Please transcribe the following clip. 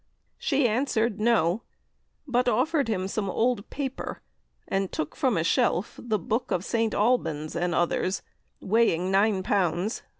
She answered, No! but offered him some old paper, and took from a shelf the 'Boke of St. Albans' and others, weighing 9 lbs.